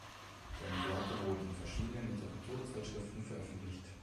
Seine Werke wurden in verschiedenen Literaturzeitschriften veröffentlicht.